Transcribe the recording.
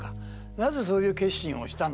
なぜそういう決心をしたのか。